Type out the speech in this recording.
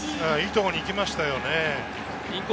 いいところに行きましたよね。